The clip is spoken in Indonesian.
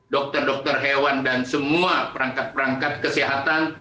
dokter dokter hewan dan semua perangkat perangkat kesehatan